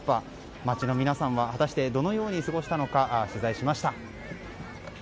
街の皆さんは果たしてどのように過ごしたのか取材しました。